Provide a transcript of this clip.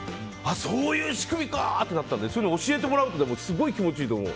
そういう仕組みかってなったのでそういうのを教えてもらうとすごい気持ちいいと思う。